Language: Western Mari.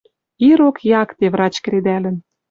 Ирок якте врач кредӓлӹн